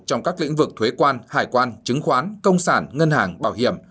trong các lĩnh vực thuế quan hải quan chứng khoán công sản ngân hàng bảo hiểm